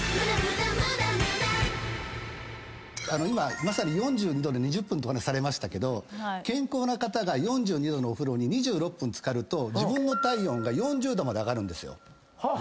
今まさに４２℃で２０分ってお話しされましたけど健康な方が４２℃のお風呂に２６分浸かると自分の体温が４０℃まで上がるんですよ。